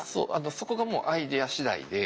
そこがもうアイデアしだいで。